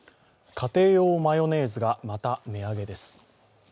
家庭用マヨネーズがまた値上げです。